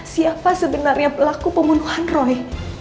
siapa sebenarnya pelaku pembunuhan roy